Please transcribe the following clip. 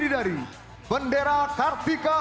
dari bendera kartika